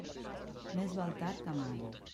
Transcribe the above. Més val tard que mai.